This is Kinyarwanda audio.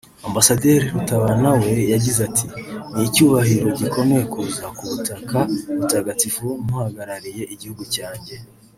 Ambasaderi Rutabana we yagize ati “Ni icyubahiro gikomeye kuza ku butaka butagatifu nk’uhagarariye igihugu cyanjye